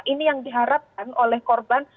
ini yang diharapkan oleh korban